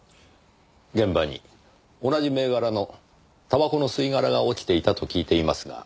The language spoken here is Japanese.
現場に同じ銘柄のタバコの吸い殻が落ちていたと聞いていますが。